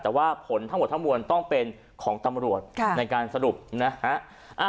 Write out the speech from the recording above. แต่ว่าผลทั้งหมดทั้งมวลต้องเป็นของตำรวจในการสรุปนะฮะ